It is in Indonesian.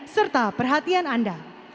serta perhatian anda